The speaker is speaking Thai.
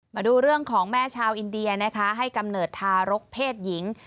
มาดูเรื่องของแม่ชาวอินเดียนะคะให้กำเนิดทารกเพศหญิง